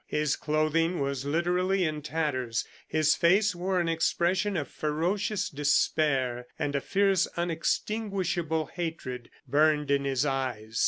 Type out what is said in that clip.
His clothing was literally in tatters, his face wore an expression of ferocious despair, and a fierce unextinguishable hatred burned in his eyes.